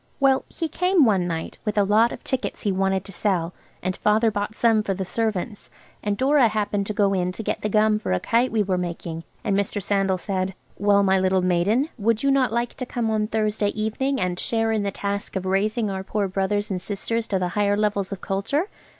Well, he came one night, with a lot of tickets he wanted to sell, and Father bought some for the servants, and Dora happened to go in to get the gum for a kite we were making, and Mr. Sandal said, "Well, my little maiden, would you not like to come on Thursday evening, and share in the task of raising our poor brothers and sisters to the higher levels of culture?"